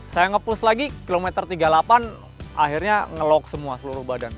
saya ngepus lagi kilometer tiga lapan akhirnya ngelock semua seluruh badan